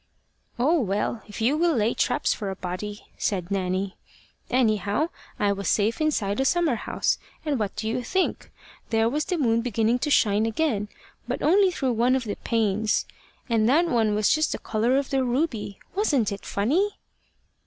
"Oh, well, if you will lay traps for a body!" said Nanny. "Anyhow, I was safe inside the summer house. And what do you think? There was the moon beginning to shine again but only through one of the panes and that one was just the colour of the ruby. Wasn't it funny?"